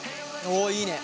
おいいね。